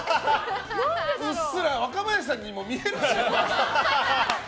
うっすら若林さんにも見えるしね。